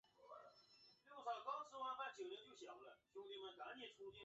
由于白方在北面建立了墙轻松把白方迫往死角。